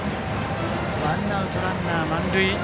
ワンアウト、ランナー満塁。